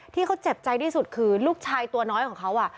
ที่เขาเจ็บใจที่สุดคือลูกชายตัวน้อยของเขา